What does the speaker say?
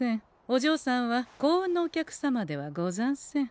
おじょうさんは幸運のお客様ではござんせん。